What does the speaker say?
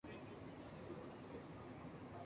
Column میں دومقدمات قائم کیے گئے ہیں۔